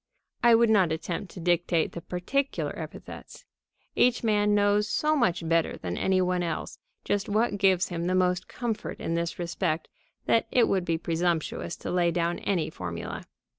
(I would not attempt to dictate the particular epithets. Each man knows so much better than any one else just what gives him the most comfort in this respect that it would be presumptuous to lay down any formula.